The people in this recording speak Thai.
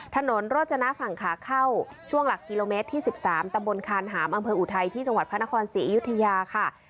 ถนนโรจนะฝั่งขาเข้าช่วงหลักกิโลเมตรที่๑๓ตำบลคานหามอำเภออุทัยที่จังหวัดพระนครศรีอยุธยาค่ะ